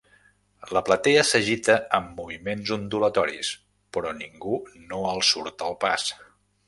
La platea s'agita amb moviments ondulatoris, però ningú no els surt al pas.